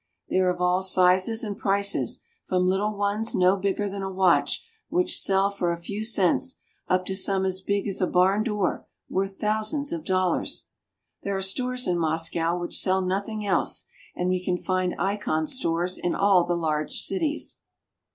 They are of all sizes and prices, from little ones no bigger than a watch, which sell for a few cents, up to some as big as a barn door, worth thousands of dollars. There are stores in Moscow which sell nothing else, and we can find icon stores in all the large cities.